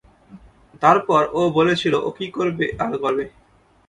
তারপর ও বলেছিল ও কী করবে আর কবে।